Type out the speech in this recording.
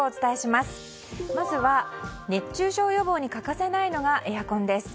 まずは熱中症予防に欠かせないのがエアコンです。